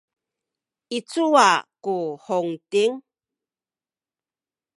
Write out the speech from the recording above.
i cuwa ku Huting?